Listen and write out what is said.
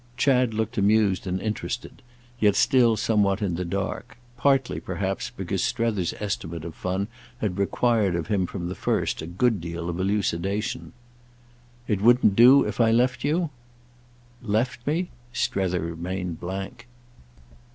Chad looked amused and interested, yet still somewhat in the dark; partly perhaps because Strether's estimate of fun had required of him from the first a good deal of elucidation. "It wouldn't do if I left you—?" "Left me?"—Strether remained blank.